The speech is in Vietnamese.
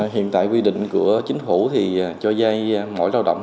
hiện tại quy định của chính phủ thì cho dây mỗi lao động